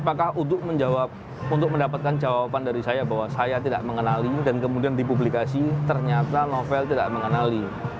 apakah untuk menjawab untuk mendapatkan jawaban dari saya bahwa saya tidak mengenali dan kemudian dipublikasi ternyata novel tidak mengenali